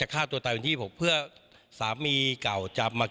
กะเทยมาแล้วความรัก